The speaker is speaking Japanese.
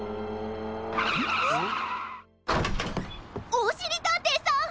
おしりたんていさん！